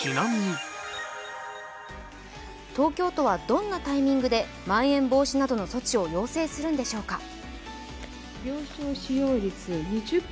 東京都はどんなタイミングでまん延防止などの措置を要請するのでしょうか。